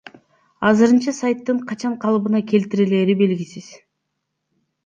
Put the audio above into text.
Азырынча сайттын качан калыбына келтирилери белгисиз.